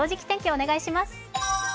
お願いします。